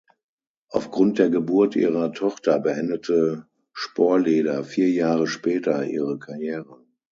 Aufgrund der Geburt ihrer Tochter beendete Sporleder vier Jahre später ihre Karriere.